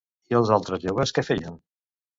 I els altres joves què feien?